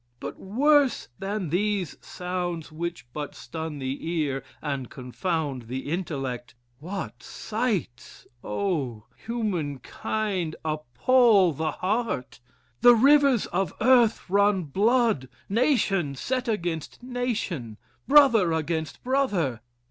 But, worse than these sounds which but stun the ear and confound the intellect, what sights, oh! human kind! appal the heart! The rivers of earth run blood! Nation set against nation! Brother against brother!